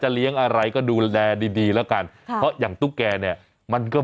วางต่อบอกดีเอาไปเนื้อไก่นะแก่